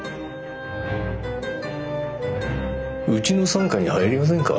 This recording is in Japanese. うちの傘下に入りませんか？